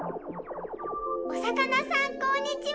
おさかなさんこんにちは！